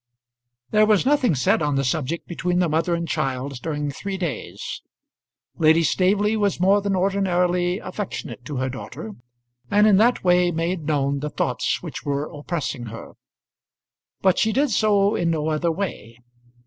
There was nothing said on the subject between the mother and child during three days. Lady Staveley was more than ordinarily affectionate to her daughter, and in that way made known the thoughts which were oppressing her; but she did so in no other way.